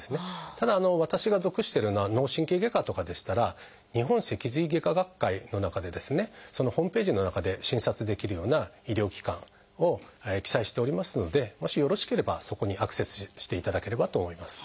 ただ私が属してるような脳神経外科とかでしたら日本脊髄外科学会の中でですねそのホームページの中で診察できるような医療機関を記載しておりますのでもしよろしければそこにアクセスしていただければと思います。